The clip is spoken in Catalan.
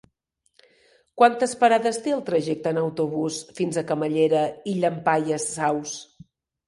Quantes parades té el trajecte en autobús fins a Camallera i Llampaies Saus?